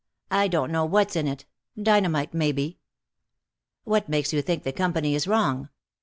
I don't know what's in it. Dynamite, maybe." "What makes you think the company is wrong?